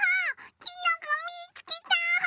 きのこみつけた！